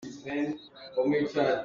Ruah ni thum a cen cang.